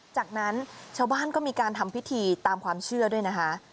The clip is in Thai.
จากนั้นชาวบ้านก็มีการทำพิธีตามความเชื่อด้วยนะคะ